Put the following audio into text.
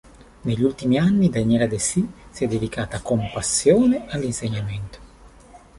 Negli ultimi anni Daniela Dessì si è dedicata con passione all'insegnamento.